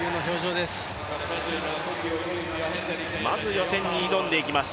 まず予選に挑んでいきます。